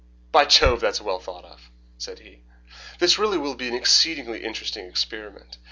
"By Jove, that's well thought of," said he. "This really will be an exceedingly interesting experiment.